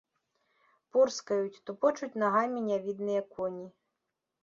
Порскаюць, тупочуць нагамі нявідныя коні.